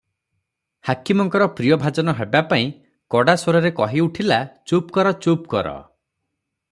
ହାକିମଙ୍କର ପ୍ରିୟଭାଜନ ହେବାପାଇଁ କଡ଼ା ସ୍ୱରରେ କହି ଉଠିଲା, "ଚୁପ୍ କର ଚୁପ୍ କର ।"